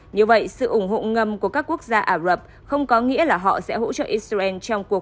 như vậy sự ủng hộ ngâm của các quốc gia ả rập không có nghĩa là họ sẽ hỗ trợ israel